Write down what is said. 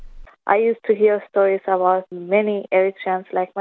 saya selalu mendengar cerita tentang banyak orang eritrean seperti saya